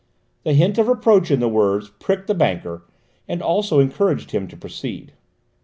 The hint of reproach in the words pricked the banker, and also encouraged him to proceed.